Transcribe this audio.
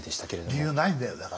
理由ないんだよだから。